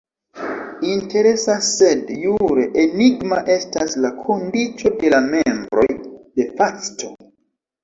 Interesa sed jure enigma estas la kondiĉo de la membroj "de facto".